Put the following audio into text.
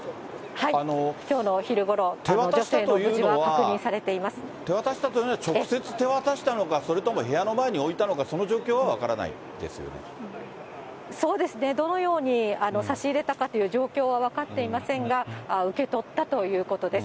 きょうの昼ごろ、手渡したというのは、直接手渡したのか、それとも、部屋の前に置いたのか、その状況はそうですね、どのように差し入れたかという状況は分かっていませんが、受け取ったということです。